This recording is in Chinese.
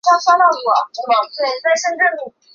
新竹铁角蕨为铁角蕨科铁角蕨属下的一个种。